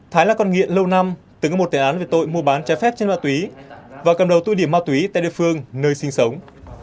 thái là con nghiện lâu năm từng có một tiền án về tội mua bán trái phép trên ma túy và cầm đầu tụi điểm ma túy tại địa phương nơi sinh sống